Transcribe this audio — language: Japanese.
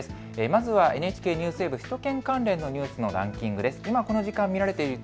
まずはＮＨＫニュース、首都圏関連のランキングです。